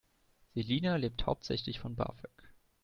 Selina lebt hauptsächlich von BAföG.